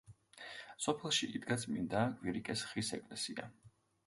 სოფელში იდგა წმინდა კვირიკეს ხის ეკლესია.